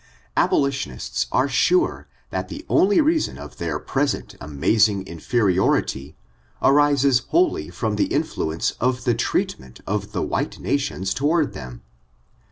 Abolitionists are sure that the only reason of their present amazing inferiority arises wholly from the influence of the treatment of the white nations to ward them.